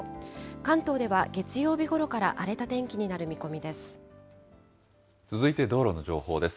関東では、月曜日ごろから荒れた天気になる見込みです。